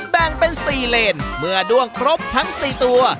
แบ่งเป็น๔เลนเมื่อด้วงครบทั้ง๔ตัว